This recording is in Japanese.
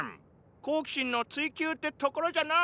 好奇心の追求ってところじゃな。